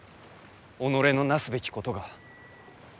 己のなすべきことが。